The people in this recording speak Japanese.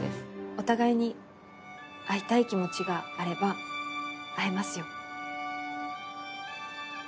お互いに会いたい気持ちがあれば会えますよ